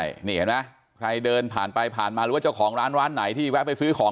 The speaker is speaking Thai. นี่เห็นไหมใครเดินผ่านไปผ่านมาหรือว่าเจ้าของร้านร้านไหนที่แวะไปซื้อของ